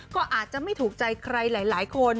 ก็อาจจะไม่ถูกใจใครหลายคน